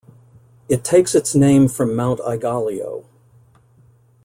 It takes its name from Mount Aigaleo.